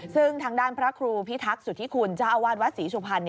ซึ่งทางด้านพระครูพิทักษ์สุธิคุณจาวาสวัสดิ์ศรีสุภัณฑ์